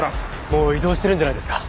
もう移動してるんじゃないですか？